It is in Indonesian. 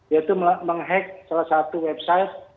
yaitu menghack salah satu website